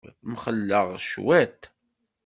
Mxelleɣ cwiṭ.